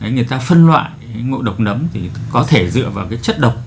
người ta phân loại ngộ độc nấm thì có thể dựa vào chất độc